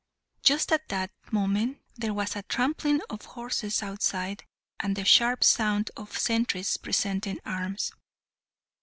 Just at that moment there was a trampling of horses outside, and the sharp sound of the sentries presenting arms.